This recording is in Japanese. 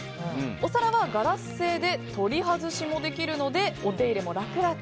お皿はガラス製で取り外しもできるのでお手入れも楽々。